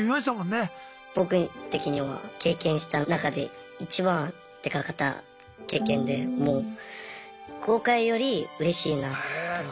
僕的には経験した中でいちばんでかかった経験でもう後悔よりうれしいなと思うぐらい。